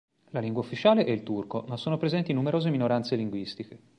La lingua ufficiale è il turco, ma sono presenti numerose minoranze linguistiche.